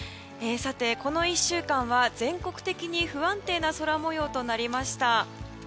この１週間は全国的に不安定な空模様となりました。